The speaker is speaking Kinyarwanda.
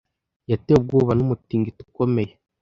Yatewe ubwoba n'umutingito ukomeye.